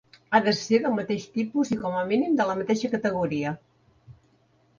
Ha de ser del mateix tipus i, com a mínim, de la mateixa categoria.